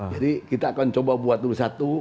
jadi kita akan coba buat dulu satu